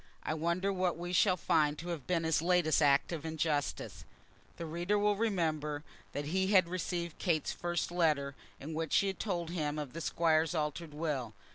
I wonder what we shall find to have been his latest act of injustice." The reader will remember that he had received Kate's first letter, in which she had told him of the Squire's altered will.